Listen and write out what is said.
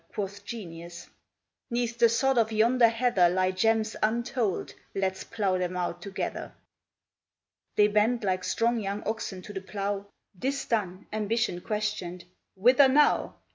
Quoth Genius, ''Neath the sod of yonder heather Lie gems untold. Let's plough them out together.' They bent like strong young oxen to the plough, This done, Ambition questioned, 'Whither now?